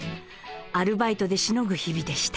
アルバイトでしのぐ日々でした。